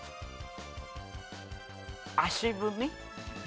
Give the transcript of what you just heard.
足踏み？